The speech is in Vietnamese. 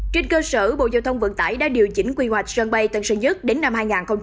trên cơ sở bộ giao thông vận tải đã điều chỉnh quy hoạch sân bay tân sơn nhất đến năm hai nghìn ba mươi